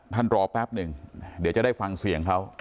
รอแป๊บหนึ่งเดี๋ยวจะได้ฟังเสียงเขา